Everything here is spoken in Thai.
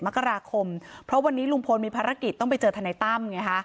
มกราคมเพราะวันนี้ลุงพลมีภารกิจต้องไปเจอทนายตั้มไงฮะ